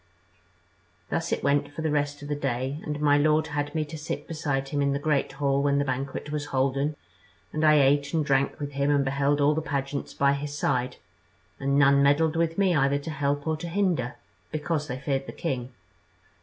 "Thus it went for the rest of the day, and my lord had me to sit beside him in the great hall when the banquet was holden, and I ate and drank with him and beheld all the pageants by his side, and none meddled with me either to help or to hinder, because they feared the king.